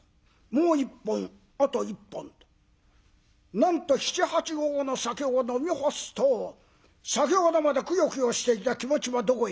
もう一本あと一本となんと７８合の酒を飲み干すと先ほどまでくよくよしていた気持ちはどこへやら。